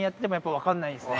分かんないですね